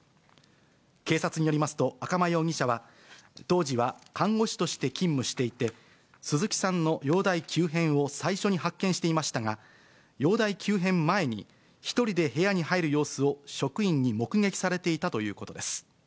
警察によりますと赤間容疑者は、当時は看護師として勤務していて、鈴木さんの容体急変を最初に発見していましたが、容体急変前に一人で部屋に入る様子を職員に目撃されていたということです。